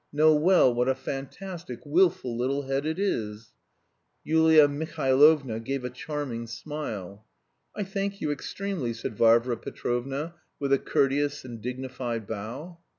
know well what a fantastic, wilful little head it is!" Yulia Mihailovna gave a charming smile. "I thank you extremely," said Varvara Petrovna, with a courteous and dignified bow.